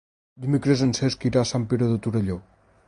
Dimecres en Cesc irà a Sant Pere de Torelló.